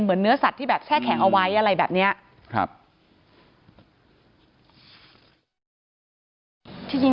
เนื้อสัตว์ที่แบบแช่แข็งเอาไว้อะไรแบบนี้